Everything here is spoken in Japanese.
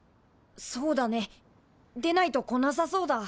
そうだねでないと来なさそうだ。